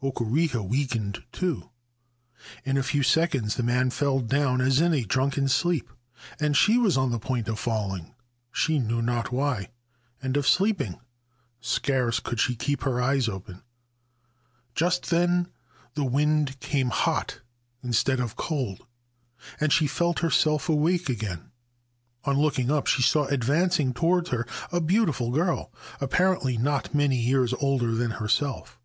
Okureha weakened too. In a few seconds the man fell down as in a drunken sleep, and she was on the point of falling (she knew not why) and of sleeping (scarce could she keep her eyes open). Just then the wind came hot instead of cold, and she felt herself awake again. On looking up she saw advancing towards her a beautiful girl, apparently not many years older than herself.